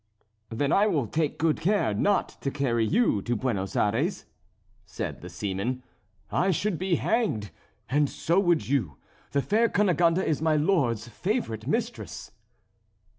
"Then I will take good care not to carry you to Buenos Ayres," said the seaman. "I should be hanged, and so would you. The fair Cunegonde is my lord's favourite mistress."